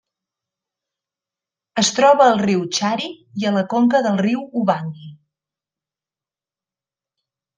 Es troba al riu Chari i a la conca del riu Ubangui.